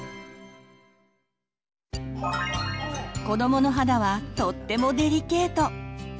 子どもの肌はとってもデリケート。